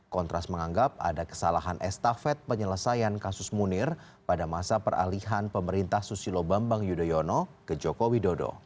kontras menganggap ada kesalahan estafet penyelesaian kasus munir pada masa peralihan pemerintah susilo bambang yudhoyono ke joko widodo